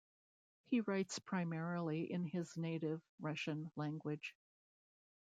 He writes primarily in his native Russian language.